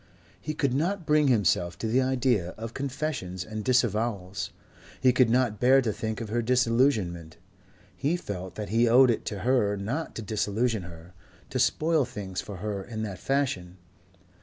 He could not bring himself to the idea of confessions and disavowals. He could not bear to think of her disillusionment. He felt that he owed it to her not to disillusion her, to spoil things for her in that fashion.